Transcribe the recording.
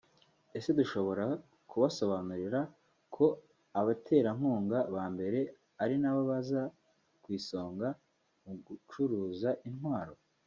Ese dushobora kubasobanurira ko abaterankunga ba mbere ari nabo baza ku isonga mu gucuruza intwaro